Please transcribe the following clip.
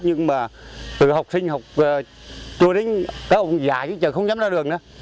nhưng mà từ học sinh học trùa đinh các ông già chứ chẳng dám ra đường nữa